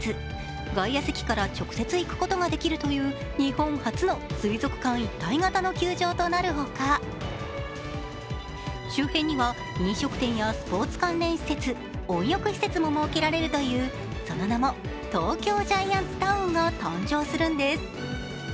外野席から直接行くことができるという日本初の水族館一体型の球場となるほか周辺には飲食店やスポーツ関連施設温浴施設も設けられるという、その名もＴＯＫＹＯＧＩＡＮＴＳＴＯＷＮが誕生するんです。